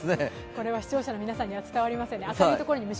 これは視聴者の皆さんには伝わりませんね。